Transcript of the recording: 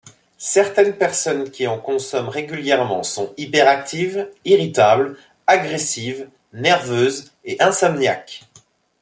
Certaines personnes qui en consomment régulièrement sont hyperactives, irritables, agressives, nerveuses, et insomniaques.